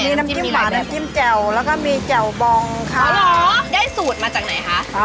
มีน้ำจิ้มขาดน้ำจิ้มแจ่วแล้วมีแจ่วแบงค์อะหรอได้สูตรมาจากไหนค่ะ